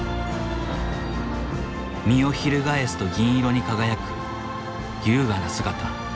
身をひるがえすと銀色に輝く優雅な姿。